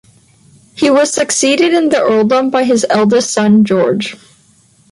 He was succeeded in the earldom by his eldest son, George.